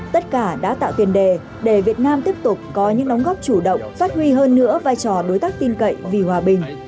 tất cả đã tạo tiền đề để việt nam tiếp tục có những đóng góp chủ động phát huy hơn nữa vai trò đối tác tin cậy vì hòa bình